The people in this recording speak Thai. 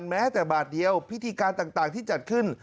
แม้แต่บาทเดียวพิธีการต่างที่จัดขึ้น